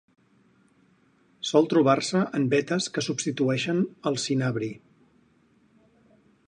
Sol trobar-se en vetes que substitueixen el cinabri.